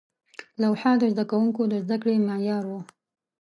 لوحه د زده کوونکو د زده کړې معیار و.